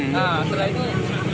nah setelah itu